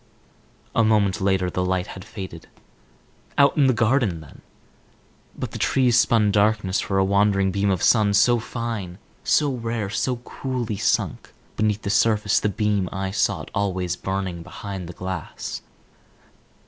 A moment later the light had faded. Out in the garden then? But the trees spun darkness for a wandering beam of sun. So fine, so rare, coolly sunk beneath the surface the beam I sought always burnt behind the glass.